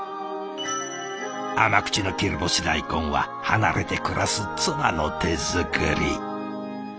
甘口の切り干し大根は離れて暮らす妻の手作り。